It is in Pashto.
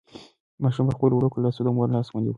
ماشوم په خپلو وړوکو لاسو د مور لاس ونیو.